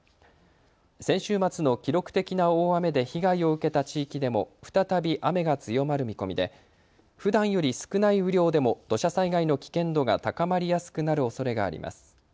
先週末の記録的な大雨で被害を受けた地域でも再び雨が強まる見込みでふだんより少ない雨量でも土砂災害の危険度が高まりやすくなるおそれがあります。